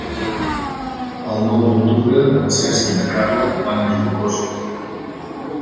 El nou d'octubre en Cesc i na Carla van a Juncosa.